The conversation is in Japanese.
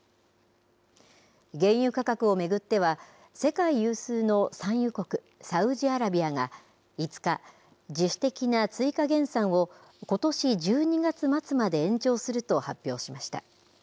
原油価格を巡っては、世界有数の産油国、サウジアラビアが５日、自主的な追加減産を、ことし１２月末まで延長すると発表しました。